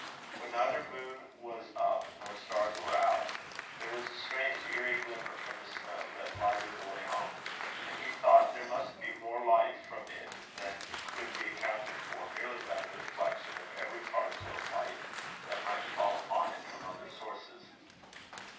When neither moon was up nor stars were out, there was a strange eerie glimmer from the snow that lighted the way home; and he thought there must be more light from it than could be accounted for merely by the reflection of every particle of light that might fall upon it from other sources.